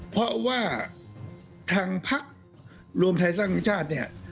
เพราะว่าทางพักรวมไทยสร้างชาติเนี่ย